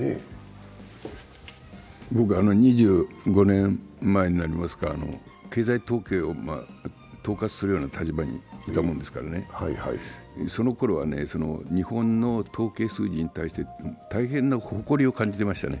僕は２５年前になりますか経済統計を統括するような立場にいたものですから、そのころは日本の統計数字に対して大変な誇りを感じていましたね。